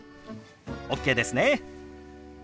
ＯＫですね。